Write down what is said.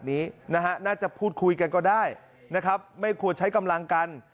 นี้นะฮะน่าจะพูดคุยกันก็ได้นะครับไม่ควรใช้กำลังกัน